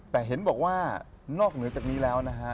แต่เห็นบอกว่านอกเหนือจากนี้แล้วนะฮะ